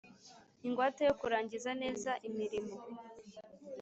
ingwate yo kurangiza neza imirimo